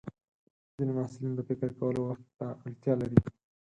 ځینې محصلین د فکر کولو وخت ته اړتیا لري.